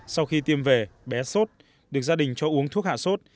sau khi tiêm về bé sốt được gia đình cho uống thuốc hạ sốt